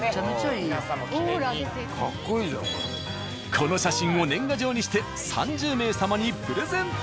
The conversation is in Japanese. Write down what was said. この写真を年賀状にして３０名様にプレゼント。